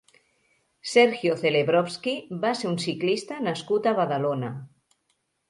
Sergio Celebrowski va ser un ciclista nascut a Badalona.